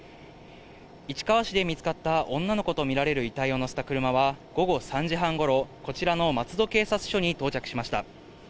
市川市で見つかった女の子と見られる遺体を乗せた車は、午後３時半ごろ、こちらの松戸警察署に到着しました。